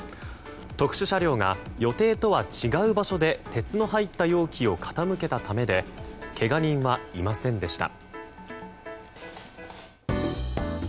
特殊車両が予定とは違う場所で鉄の入った容器を傾けたためでけが人はいませんでした。